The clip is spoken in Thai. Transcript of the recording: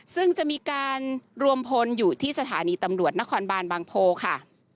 ซึ่งจะมีการรวมพลอยู่ที่สถานีตำรวจนครบานบางโพค่ะ